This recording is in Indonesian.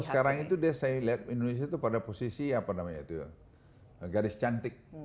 kalau sekarang itu saya lihat indonesia pada posisi garis cantik